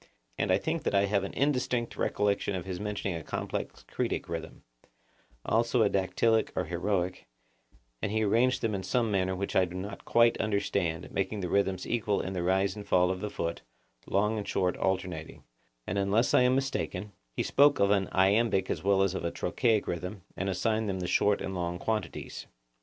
And I think that I have an indistinct recollection of his mentioning a complex Cretic rhythm; also a dactylic or heroic, and he arranged them in some manner which I do not quite understand, making the rhythms equal in the rise and fall of the foot, long and short alternating; and, unless I am mistaken, he spoke of an iambic as well as of a trochaic rhythm, and assigned to them short and long quantities.